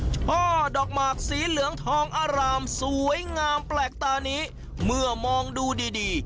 ช่อดอกหมากสีเหลืองทองอารามสวยงามแปลกตานี้เมื่อมองดูดีดี